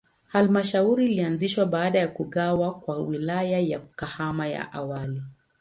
Halmashauri ilianzishwa baada ya kugawa kwa Wilaya ya Kahama ya awali.